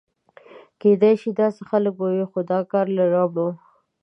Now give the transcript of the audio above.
کېدای شي داسې خلک به و، خو دا کار له ربړو.